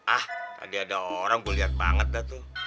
ah tadi ada orang gue liat banget dah tuh